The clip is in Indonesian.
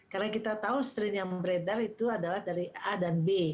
karena kita tahu strain yang beredar itu adalah dari a dan b